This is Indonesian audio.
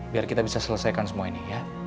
biar kita bisa selesaikan semua ini ya